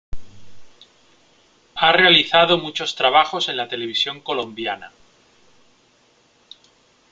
Ha realizado muchos trabajos en la televisión colombiana.